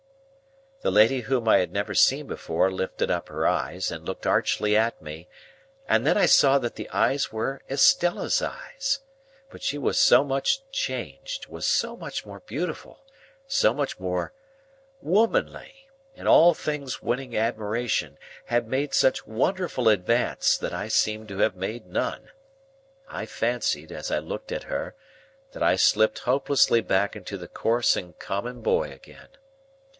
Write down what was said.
The lady whom I had never seen before, lifted up her eyes and looked archly at me, and then I saw that the eyes were Estella's eyes. But she was so much changed, was so much more beautiful, so much more womanly, in all things winning admiration, had made such wonderful advance, that I seemed to have made none. I fancied, as I looked at her, that I slipped hopelessly back into the coarse and common boy again.